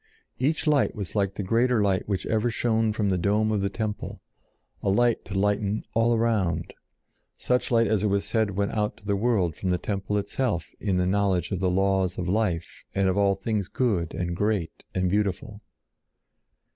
Each light was like the greater light which ever shone from the dome of the temple, a light to lighten all around, such light as it was said went out to the world from the temple itself in the knowledge of the laws of life and of all things good and great and beautiful.